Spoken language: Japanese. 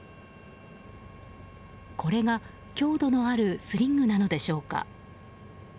これが、強度のあるスリングなのでしょうか。